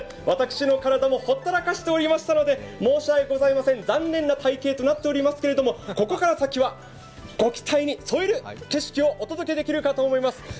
私の体もほったらかしておりましたので、申し訳ございません残念な体型となっていますけれどもここから先は、ご期待に添える景色をお届けできると思います。